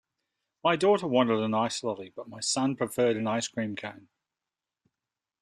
My daughter wanted an ice lolly, but my son preferred an ice cream cone